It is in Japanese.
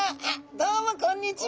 どうもこんにちは！